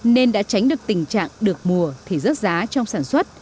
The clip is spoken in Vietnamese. nên đã tránh được tình trạng được mùa thì rớt giá trong sản xuất